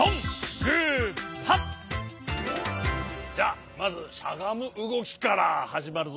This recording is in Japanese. じゃまずしゃがむうごきからはじまるぞ。